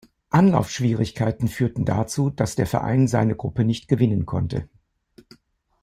Anlaufschwierigkeiten führten dazu, dass der Verein seine Gruppe nicht gewinnen konnte.